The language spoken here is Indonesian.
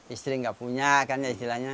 istri nggak punya kan ya istilahnya